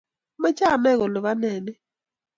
amache anay kole boo nee ni?